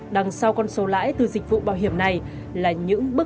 đằng sau con số lãi từ dịch vụ bảo hiểm này là những bước